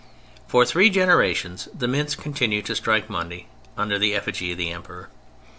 For three generations the mints continued to strike money under the effigy of the Emperor.